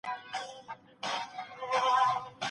زما غنم يو چا ګڼ ګڼلي وو .